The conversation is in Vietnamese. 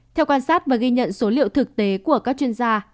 theo quan sát và ghi nhận số liệu thực tế của các chuyên gia